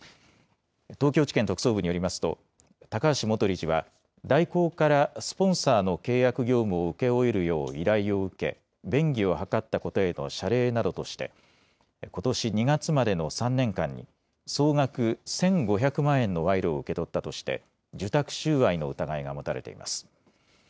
東京地検特捜部によりますと、高橋元理事は大広からスポンサーの契約業務を請け負えるよう依頼を受け、便宜を図ったことへの謝礼などとして、ことし２月までの３年間に、総額１５００万円の賄賂を受け取ったとして、受託収賄の疑いが持たれています。